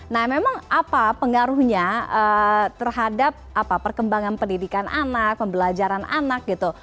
nah memang apa pengaruhnya terhadap perkembangan pendidikan anak pembelajaran anak gitu